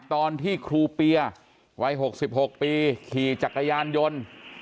ตอนที่ครูเปียวัย๖๖ปีขี่จักรยานยนต์